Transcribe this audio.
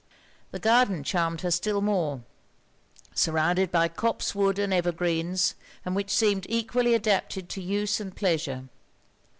The garden charmed her still more; surrounded by copse wood and ever greens, and which seemed equally adapted to use and pleasure.